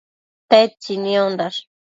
Tedtsi niondash?